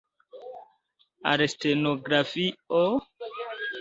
Al stenografio!